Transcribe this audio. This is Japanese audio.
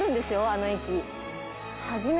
あの駅。